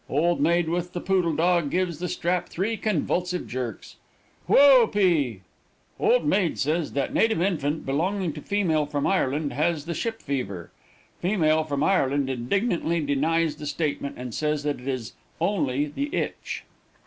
Old maid with the poodle dog gives the strap three convulsive jerks. 'Whoa 'p.' Old maid says that native infant, belonging to female from Ireland, has the ship fever. Female from Ireland indignantly denies the statement, and says that it is only the itch.